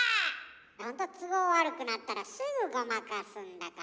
ほんと都合悪くなったらすぐごまかすんだから。